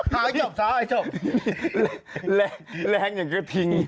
พายังจบทาวน์ยังจบ